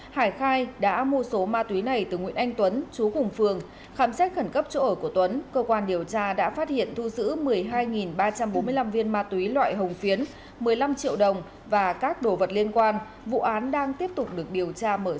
hải khai đã mua số ma túy này từ nguyễn anh tuấn chú cùng phường khám xét khẩn cấp chỗ ở của tuấn cơ quan điều tra đã phát hiện thu giữ một mươi hai ba trăm bốn mươi năm viên ma túy loại hồng phiến một mươi năm triệu đồng và các đồ vật liên quan vụ án đang tiếp tục được điều tra mở rộng